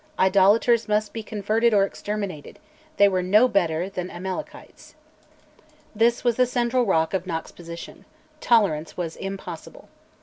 Idolaters must be converted or exterminated; they were no better than Amalekites. This was the central rock of Knox's position: tolerance was impossible.